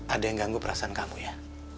ada yang ganggu perasaan kamu ya